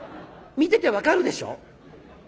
見てて分かるでしょ？